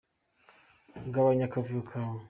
Gabanya akavuyo kawe.